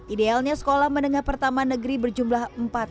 idealnya sekolah menengah pertama negeri berjumlah empat